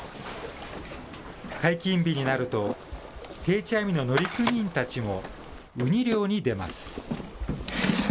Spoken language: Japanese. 解禁日になると、定置網の乗組員たちもウニ漁に出ます。